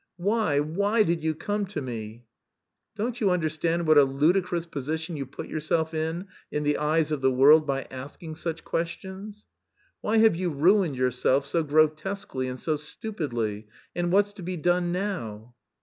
"Why, why did you come to me?" "Don't you understand what a ludicrous position you put yourself in in the eyes of the world by asking such questions?" "Why have you ruined yourself, so grotesquely and so stupidly, and what's to be done now?"